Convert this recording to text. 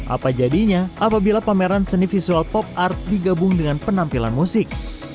apa jadinya apabila pameran seni visual pop art digabung dengan penampilan musik